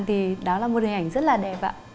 thì đó là một hình ảnh rất là đẹp ạ